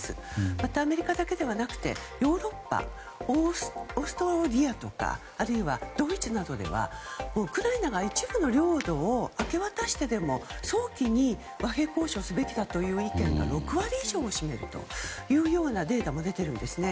またアメリカだけではなくヨーロッパ、オーストリアとかあるいはドイツなどではウクライナが一部の領土を明け渡してでも早期に和平交渉すべきだという意見が６割以上を占めるようなデータも出ているんですね。